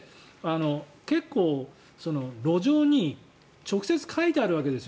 結構、路上に直接書いてあるわけです。